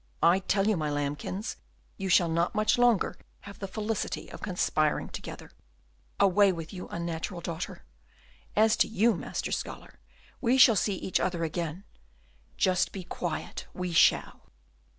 I tell you, my lambkins, you shall not much longer have the felicity of conspiring together. Away with you, unnatural daughter! And as to you, Master Scholar, we shall see each other again. Just be quiet, we shall."